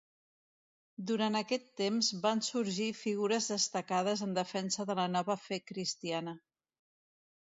Durant aquest temps van sorgir figures destacades en defensa de la nova fe cristiana.